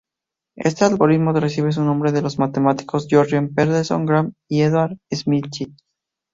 Este algoritmo recibe su nombre de los matemáticos Jørgen Pedersen Gram y Erhard Schmidt.